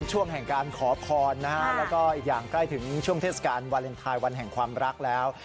ช่วงแห่งการขอพรและอีกอย่างใกล้ถึงเวลาฐานแวลนทายวันแห่งความรักแล้ว